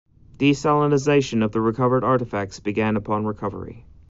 Desalinization of the recovered artifacts began upon recovery.